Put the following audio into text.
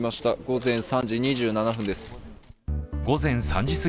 午前３時２７分です。